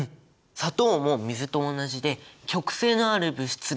砂糖も水と同じで極性のある物質だからだ！